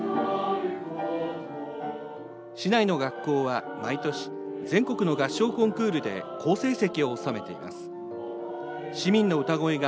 市内の学校は毎年全国の合唱コンクールで好成績を収めています。